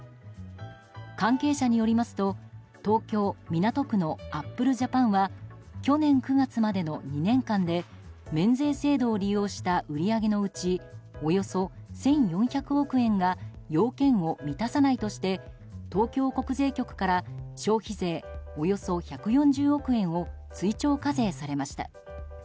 関係者によりますと東京・港区のアップルジャパンは去年９月までの２年間で免税制度を利用した売り上げのうちおよそ１４００億円が要件を満たさないとして東京国税局から消費税およそ１４０億円を追徴課税されました。